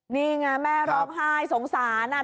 นี่ไงแม่ร้องไห้สงสาร